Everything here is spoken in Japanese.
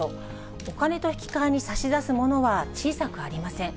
お金と引き換えに差し出すものは小さくありません。